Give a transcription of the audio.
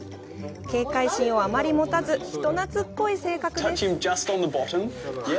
警戒心をあまり持たず人懐っこい性格です。